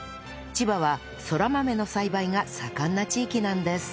千葉はそら豆の栽培が盛んな地域なんです